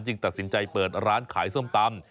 ตัดสินใจเปิดร้านขายส้มตำ